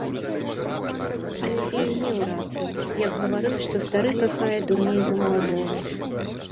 Галілей меў рацыю, як гаварыў, што стары кахае дурней за маладога.